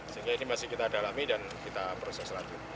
sehingga ini masih kita dalami dan kita proses lanjut